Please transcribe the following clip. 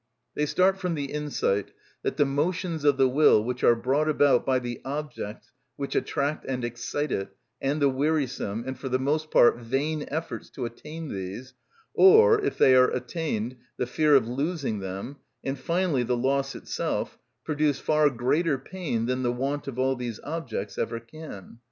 They start from the insight that the motions of the will which are brought about by the objects which attract and excite it, and the wearisome, and for the most part vain, efforts to attain these, or, if they are attained, the fear of losing them, and finally the loss itself, produce far greater pain than the want of all these objects ever can.